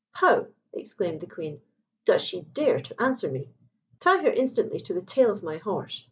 "How!" exclaimed the Queen; "does she dare to answer me? Tie her instantly to the tail of my horse.